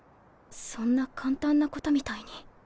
そんな簡単なことみたいに。